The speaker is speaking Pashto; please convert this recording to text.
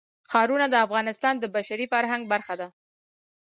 ښارونه د افغانستان د بشري فرهنګ برخه ده.